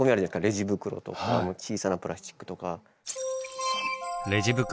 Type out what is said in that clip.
レジ袋とか小さなプラスチックとか。